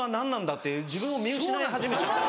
って自分を見失い始めちゃったんです。